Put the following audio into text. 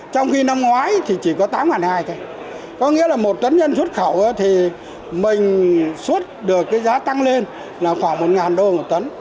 trong khi năm ngoái thì chỉ có tám hai trăm linh usd thôi có nghĩa là một tấn nhân xuất khẩu thì mình xuất được cái giá tăng lên là khoảng một usd một tấn